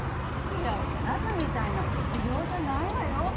託也はあなたみたいな不良じゃないわよ。